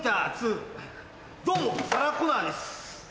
どうもサラ・コナーです。